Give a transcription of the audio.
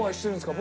僕。